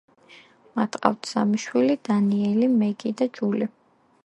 მათ ყავთ სამი შვილი: დანიელი, მეგი და ჯული.